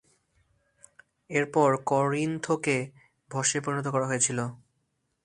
এরপর করিন্থকে ভস্মে পরিণত করা হয়েছিল।